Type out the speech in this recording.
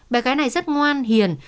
bé gái này rất ngoan hiền